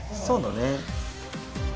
そうだね。